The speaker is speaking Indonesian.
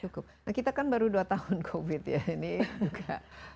cukup nah kita kan baru dua tahun covid ya ini